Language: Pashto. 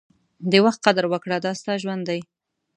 د وخت قدر وکړه، دا ستا ژوند دی.